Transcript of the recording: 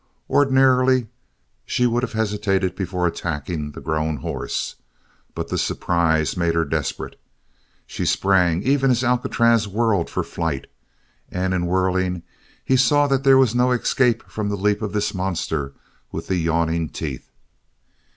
Ordinarily she would have hesitated before attacking the grown horse, but the surprise made her desperate. She sprang even as Alcatraz whirled for flight, and in whirling he saw that there was no escape from the leap of this monster with the yawning teeth.